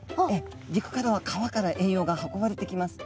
陸からは川から栄養が運ばれてきます。